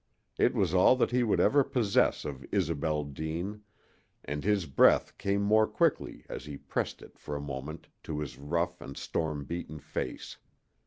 It was all that he would ever possess of Isobel Deane, and his breath came more quickly as he pressed it for a moment to his rough and storm beaten face.